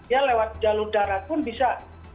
ya lewat jalur darat pun bisa